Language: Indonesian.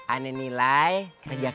aneh nilai kerja kerja antum